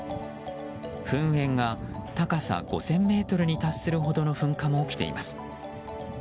噴煙が高さ５０００ｍに達するほどの噴火も起きています。